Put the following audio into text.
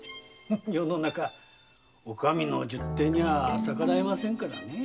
世の中お上の十手にゃ逆らえませんからねえ。